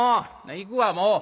行くわもう。